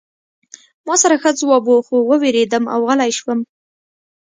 ما سره ښه ځواب و خو ووېرېدم او غلی شوم